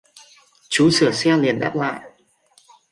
chú sửa xe liền đáp lại